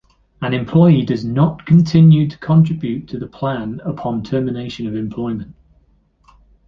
An employee does not continue to contribute to the plan upon termination of employment.